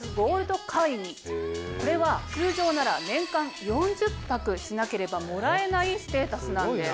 これは通常なら年間４０泊しなければもらえないステータスなんです。